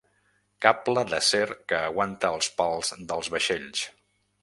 Cable d'acer que aguanta els pals dels vaixells.